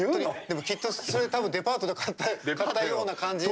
でも、きっと、それ多分デパートで買ったような感じ。